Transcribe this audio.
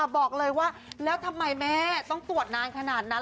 บอกเลยว่าแล้วทำไมแม่ต้องตรวจนานขนาดนั้น